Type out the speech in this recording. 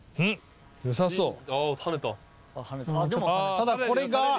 ただこれが。